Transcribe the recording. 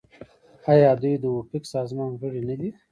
آیا دوی د اوپک سازمان غړي نه دي؟